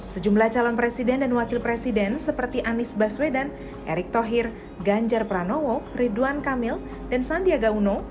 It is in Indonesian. sejumlah calon presiden dan wakil presiden seperti anies baswedan erick thohir ganjar pranowo ridwan kamil dan sandiaga uno